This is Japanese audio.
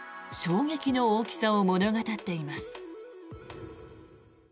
衝撃の大きさを物語っています。